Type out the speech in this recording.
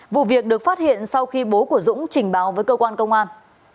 vụ việc được phát hiện sau khi bố của dũng trình báo với cơ quan công an